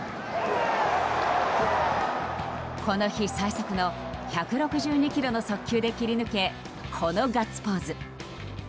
この日最速の１６２キロの速球で切り抜けこのガッツポーズ。